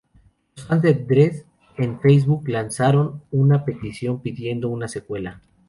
Los fans de Dredd en Facebook lanzaron una petición pidiendo una secuela.